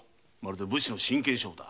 武士の真剣勝負だ。